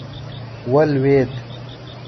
ولوېد.